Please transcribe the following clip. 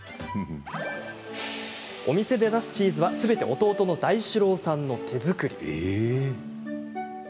お店で出すチーズは、すべて弟の大志郎さんの手作り。